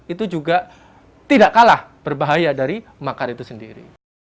itu juga tidak kalah berbahaya dari makar itu sendiri